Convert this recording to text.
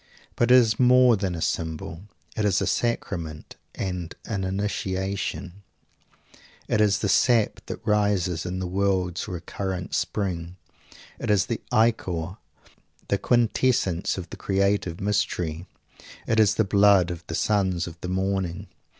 But it is more than a symbol it is a sacrament and an initiation. It is the sap that rises in the world's recurrent spring. It is the ichor, the quintessence of the creative mystery. It is the blood of the sons of the morning.